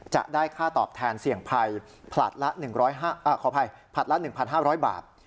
จะได้ค่าตอบแทนเสี่ยงภัยผลัดละ๑๕๐๐บาท